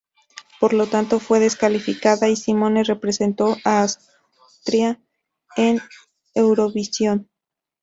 Por lo tanto, fue descalificada y Simone representó a Austria en Eurovisión.